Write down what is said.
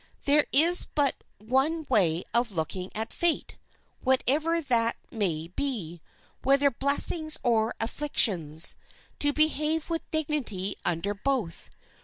There is but one way of looking at fate, whatever that may be, whether blessings or afflictions,—to behave with dignity under both.